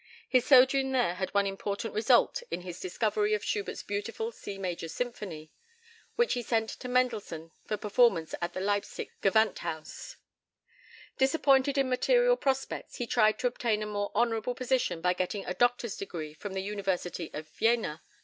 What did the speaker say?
His sojourn there had one important result in his discovery of Schubert's beautiful C major Symphony, which he sent to Mendelssohn for performance at the Leipsic Gewandhaus. Disappointed in material prospects, he tried to obtain a more honourable position by getting a Doctor's degree from the University of Jena.